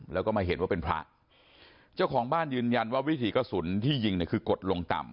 แล้วก็มาเห็นว่าเป็นพระเจ้าของบ้านยืนยันว่าวิถีกระสุนที่ยิงเนี่ยคือกดลงต่ำ